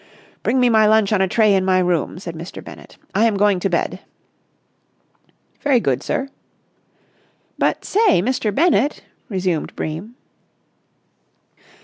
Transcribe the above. "Bring me my lunch on a tray in my room," said Mr. Bennett. "I am going to bed." "Very good, sir." "But, say, Mr. Bennett...." resumed Bream.